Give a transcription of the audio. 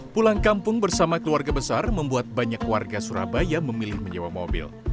pulang kampung bersama keluarga besar membuat banyak warga surabaya memilih menyewa mobil